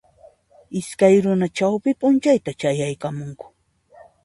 Iskay runa chawpi p'unchayta chayaykamunku